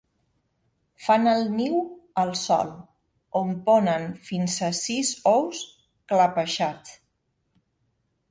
Fan el niu al sòl, on ponen fins a sis ous clapejats.